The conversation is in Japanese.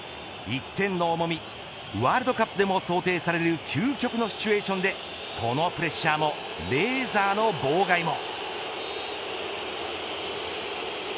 １点の重みワールドカップでも想定される究極のシチュエーションでそのプレッシャーもレーザーの妨害も。